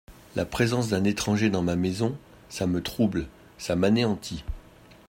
La présence d’un étranger dans ma maison… ça me trouble… ça m’anéantit…